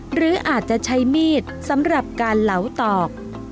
หรืออาจจะใช้มีดสำหรับการเหลาตอก